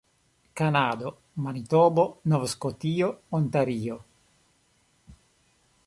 Kanado: Manitobo, Nov-Skotio, Ontario.